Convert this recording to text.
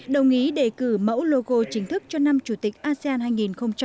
đồng ý đề cử mẫu logo chính thức cho năm chủ tịch asean hai nghìn hai mươi